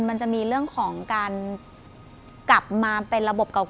มันจะมีเรื่องของการกลับมาเป็นระบบเก่า